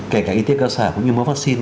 kể cả y tế cơ sở cũng như mỗi vaccine